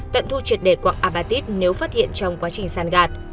tận thu triệt đề quặng apatit nếu phát hiện trong quá trình sàn gạt